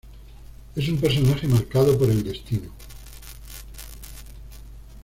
Es un personaje marcado por el destino.